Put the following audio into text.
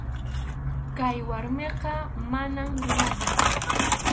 Kay warmiqa manam runachu.